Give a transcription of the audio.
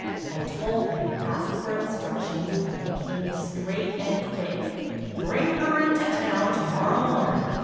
I told him and asked for instructions and they came straight and quick: "Bring her into town to morrow morning.